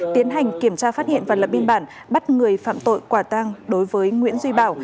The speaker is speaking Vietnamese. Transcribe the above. tiến hành kiểm tra phát hiện và lập biên bản bắt người phạm tội quả tang đối với nguyễn duy bảo